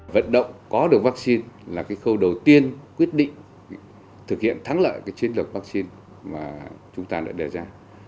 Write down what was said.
vận động có được vaccine là khâu đầu tiên quyết định thực hiện thắng lại chiến lược vaccine mà chúng ta đã đề ra